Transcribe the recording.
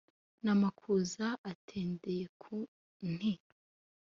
n’amakuza atendeye ku nti